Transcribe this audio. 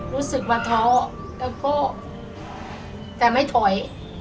รู้สึกว่าท้อแล้วก็แต่ไม่ถอย